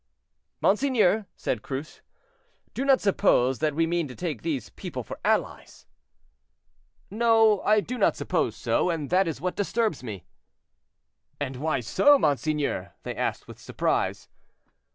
"Monseigneur," said Cruce, "do not suppose that we mean to take these people for allies!" "No, I do not suppose so; and that is what disturbs me." "And why so, monseigneur?" they asked with surprise.